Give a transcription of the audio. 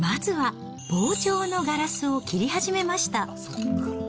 まずは棒状のガラスを切り始めました。